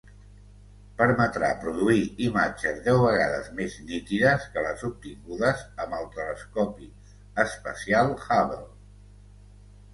Permetrà produir imatges deu vegades més nítides que les obtingudes amb el Telescopi espacial Hubble.